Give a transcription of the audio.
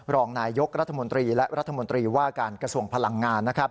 รองนายยกรัฐมนตรีและรัฐมนตรีว่าการกระทรวงพลังงาน